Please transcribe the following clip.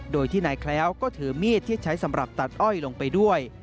โดยที่นายแคล้วก็ถือมีดที่ใช้สำหรับตัดอ้อยลงไปด้วย